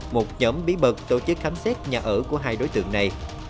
một nhóm bí mật tổ chức khám xét nhà ở của hai đối tượng này